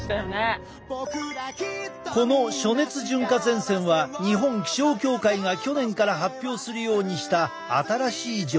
この暑熱順化前線は日本気象協会が去年から発表するようにした新しい情報。